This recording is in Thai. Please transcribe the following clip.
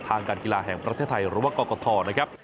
การกีฬาแห่งประเทศไทยหรือว่ากรกฐนะครับ